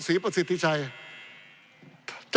ปี๑เกณฑ์ทหารแสน๒